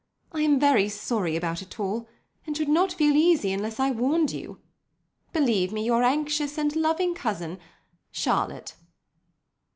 I am very sorry about it all, and should not feel easy unless I warned you. "Believe me, "Your anxious and loving cousin, "CHARLOTTE."